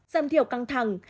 giảm thiểu căng thẳng